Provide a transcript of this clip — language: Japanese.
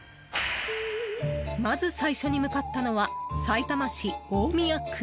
まず最初に向かったのはさいたま市大宮区。